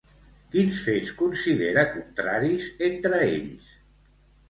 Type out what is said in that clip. Quins fets considera contraris entre ells?